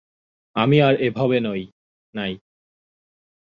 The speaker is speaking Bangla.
আমি আর এভবে নাই!